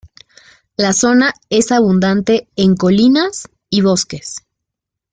La zona es abundante en colinas y bosques.